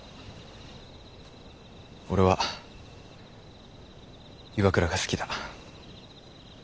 俺は岩倉が好きだ。